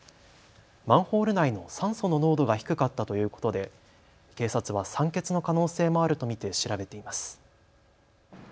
マンホール内の酸素の濃度が低かったということで警察は酸欠の可能性もあると見て調べています。